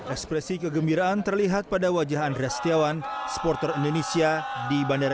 ekspresi kegembiraan terlihat pada wajah andres setiawan supporter indonesia di bandara